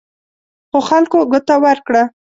خو خلکو ګوته ورکړه.